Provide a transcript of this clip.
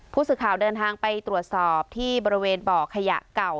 ผู้สื่อข่าวเดินทางไปตรวจสอบที่บริเวณบ่อขยะเก่า